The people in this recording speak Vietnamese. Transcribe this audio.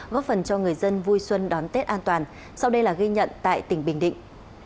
góp phần cho người dân vui xuân đón tết an toàn sau đây là ghi nhận tại tỉnh bình định